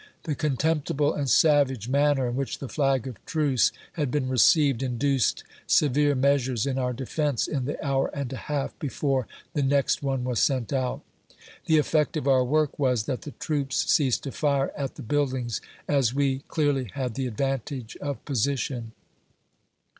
The contemptible and CAPTURE OF STEVENS. 4£ savage manner in which the flag of truce had been received, induced severe measures in our defence, in the hour and a half before the next one was sent out. The effect of our work was, that the troops ceased to fire at the buildings, as we clearly had the advantage of position.